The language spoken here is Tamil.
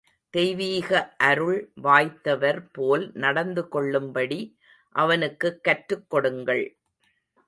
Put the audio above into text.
தெய்வீக அருள் வாய்த்தவர் போல் நடந்துகொள்ளும்படி அவனுக்குக் கற்றுக் கொடுங்கள்.